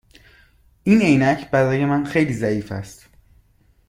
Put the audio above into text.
این عینک برای من خیلی ضعیف است.